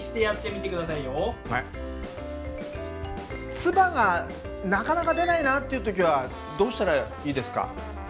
唾がなかなか出ないなっていう時はどうしたらいいですか？